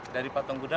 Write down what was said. dari patung kuda